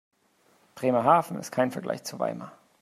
Bremerhaven ist kein Vergleich zu Weimar